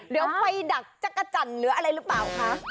เดี๋ยวไฟดักจักรจันทร์หรืออะไรหรือเปล่าคะ